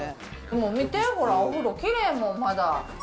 もう見て、ほら、お風呂、きれいもん、まだ。